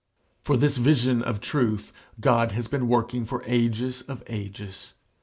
For this vision of truth God has been working for ages of ages.